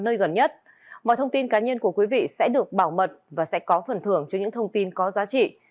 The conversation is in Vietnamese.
nơi gần nhất mọi thông tin cá nhân của quý vị sẽ được bảo mật và sẽ có phần thưởng cho những thông tin có giá trị